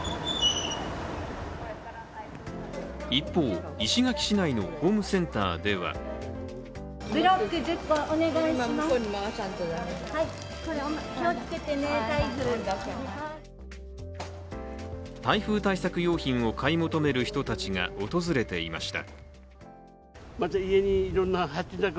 一方、石垣市内のホームセンターでは台風対策用品を買い求める人たちが、訪れていました。